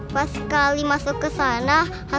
pas kali masuk kesana